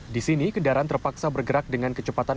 di sini kendaraan terpaksa bergerak dengan kecepatan